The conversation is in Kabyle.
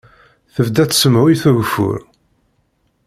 Tebda tsemhuyt ugeffur.